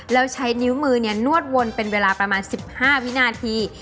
แล้วใช้นิ้วมือนวดวนเป็นเวลาประมาณ๑๕วินาที